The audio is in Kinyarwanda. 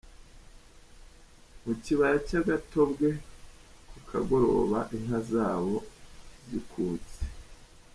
Mu kibaya cy’Agatobwe ku kagoroba inka zabo zikutse.